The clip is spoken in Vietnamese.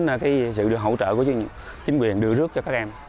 phải nhờ đến sự hỗ trợ của chính quyền đưa rước cho các em